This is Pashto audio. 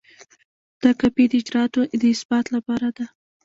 دا کاپي د اجرااتو د اثبات لپاره ده.